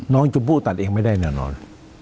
น้องชมพู่ตัดเองไม่ได้แน่นอน